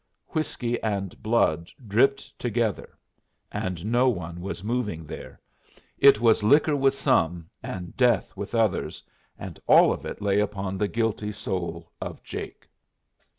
Whiskey and blood dripped together, and no one was moving there. It was liquor with some, and death with others, and all of it lay upon the guilty soul of Jake.